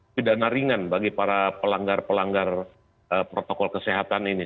pidana ringan bagi para pelanggar pelanggar protokol kesehatan ini